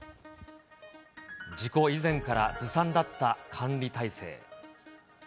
事故以前から、ずさんだった管理体制。